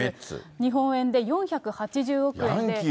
日本円で４８０億円で。